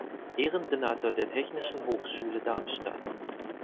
Ehrensenator der Technischen Hochschule Darmstadt